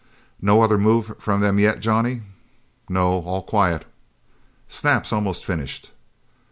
"No other move from them yet, Johnny?" "No. All quiet." "Snap's almost finished."